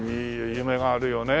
夢があるよね。